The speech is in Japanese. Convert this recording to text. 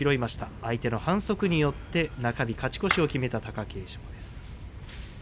相手の反則によって中日勝ち越しを決めた貴景勝です。